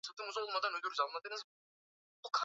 alisoma kidato cha na sita shule ya sekondari tanga